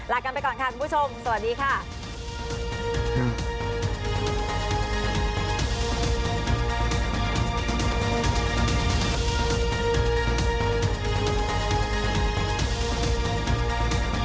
ลากันไปก่อนค่ะคุณผู้ชมสวัสดีค่ะ